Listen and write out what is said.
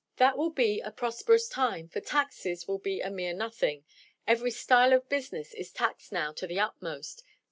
That will be a prosperous time, for taxes will be a mere nothing. Every style of business is taxed now to the utmost.